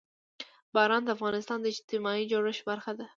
باران د افغانستان د اجتماعي جوړښت برخه ده.